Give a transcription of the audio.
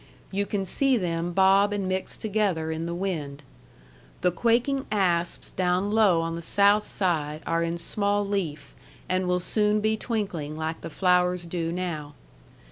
You can see them bob and mix together in the wind. The quaking asps down low on the South side are in small leaf and will soon be twinkling like the flowers do now.